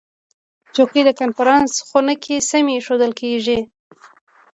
چوکۍ د کنفرانس خونه کې سمې ایښودل کېږي.